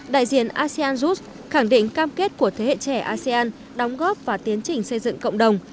đại diện asean youth khẳng định cam kết của thế hệ trẻ asean đóng góp và tiến trình xây dựng cộng đồng